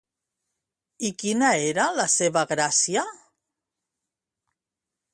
I quina era la seva gràcia?